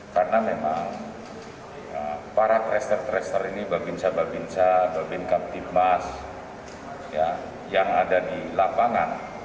karena memang para krester krester ini babinsa babinsa babinkam timbas yang ada di lapangan